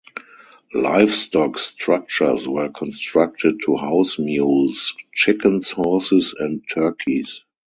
Livestock structures were constructed to house mules, chickens, horses, and turkeys.